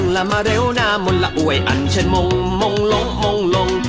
อย่ามไทรไทรจองและมงลงมงลง